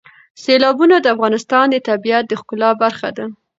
سیلابونه د افغانستان د طبیعت د ښکلا برخه ده.